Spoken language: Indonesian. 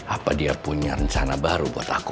apa dia punya rencana baru buat aku